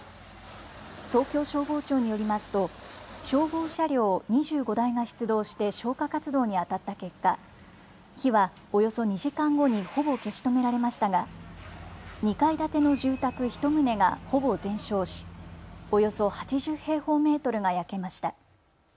東京消防庁によりますと消防車両２５台が出動して消火活動にあたった結果、火はおよそ２時間後にほぼ消し止められましたが２階建ての住宅１棟がほぼ全焼しおよそ８０平方メートルが焼けました。